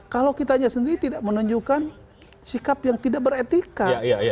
kalau kitanya sendiri tidak menunjukkan sikap yang tidak beretika